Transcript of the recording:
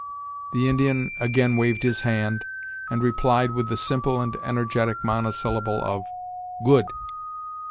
The Indian again waved his hand, and replied with the simple and energetic monosyllable of: "Good."